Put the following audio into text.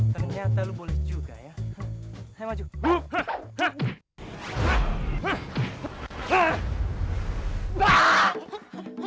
ternyata coba juga ya hai hai